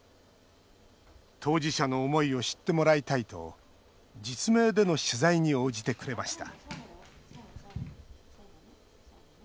当事者の思いを知ってもらいたいと実名での取材に応じてくれました。